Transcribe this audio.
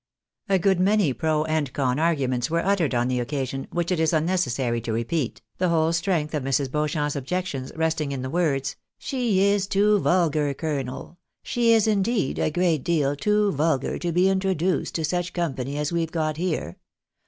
A good many pro and con arguments were uttered on the occa sion, which it is unnecessary to repeat, the whole strength of Mrs. Beauchamp's objections resting in the words, " she is too vulgar, colonel ; she is, indeed, a great deal too vulgar to be introduced to such company as we have got here.